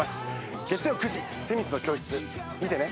月曜９時『女神の教室』見てね。